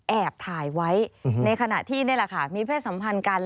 แอบถ่ายไว้ในขณะที่มีเพศสัมพันธ์กัน